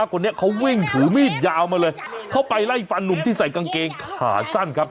คนนี้เขาวิ่งถือมีดยาวมาเลยเข้าไปไล่ฟันหนุ่มที่ใส่กางเกงขาสั้นครับ